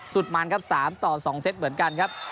สุดมันครับ๓ต่อ๒เซตเหมือนกันครับ